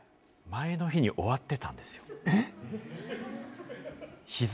行ってみたら、前の日に終わってたんですよ。